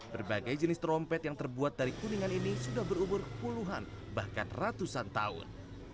berbagai jenis trompet yang terbuat dari kuningan ini sudah berumur puluhan bahkan ratusan tahun